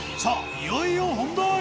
いよいよ本題！